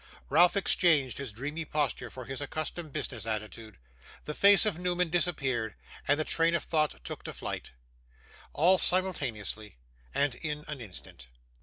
Ralph exchanged his dreamy posture for his accustomed business attitude: the face of Newman disappeared, and the train of thought took to flight, all simultaneously, and in an instant.